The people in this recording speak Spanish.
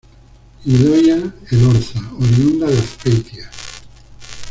Idoia Elorza, oriunda de Azpeitia.